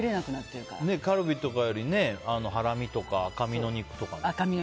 カルビとかよりハラミとか赤身の肉とかね。